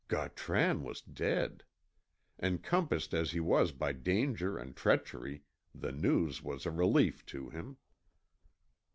Gautran was dead! Encompassed as he was by danger and treachery, the news was a relief to him.